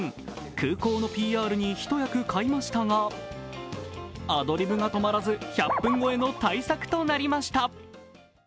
空港のＰＲに一役買いましたが、アドリブが止まらず１００分超えの大作となりました。